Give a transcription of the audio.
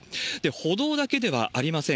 歩道だけではありません。